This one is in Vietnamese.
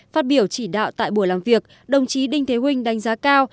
phát biểu chỉ đạo tại buổi làm việc đồng chí đinh thế huynh đánh giá cao